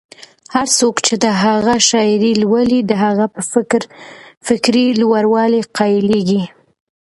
هر څوک چې د هغه شاعري لولي، د هغه په فکري لوړوالي قایلېږي.